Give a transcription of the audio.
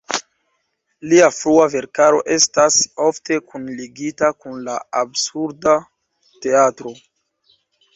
Lia frua verkaro estas ofte kunligita kun la "Absurda Teatro".